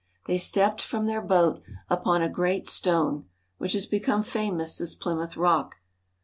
They stepped from their boat upon a great stone, which has become famous as Plymouth Rock.